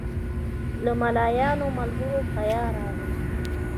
له ملایانو ملګرو حیا راغله.